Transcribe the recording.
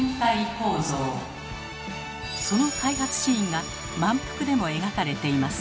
その開発シーンが「まんぷく」でも描かれています。